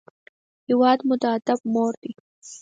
هېواد مو د ادب مور دی